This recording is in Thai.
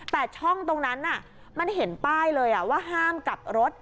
แต่ช่องตรงนั้นมันเห็นป้ายเลยว่าห้ามกลับรถ